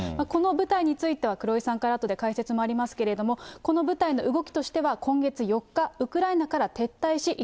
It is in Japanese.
この部隊については黒井さんからあとで解説もありますけれども、この部隊の動きとしては今月４日、ウクライナから撤退し、